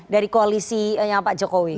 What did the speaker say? dari koalisi pak jokowi